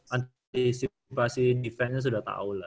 anti situasi defense nya sudah tau lah